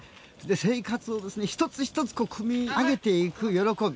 生活を一つ一つ組み上げていく喜び。